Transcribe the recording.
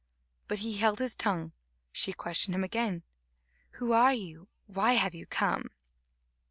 But he held his tongue. She questioned him again: "Who are you? Why have you come?"